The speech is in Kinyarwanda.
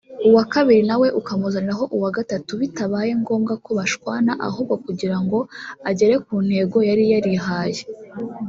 uwa kabiri nawe akamuzaniraho uwa gatatu bitabaye ngombwa ko bashwana ahubwo kugira ngo agere ku ntego yari yarihaye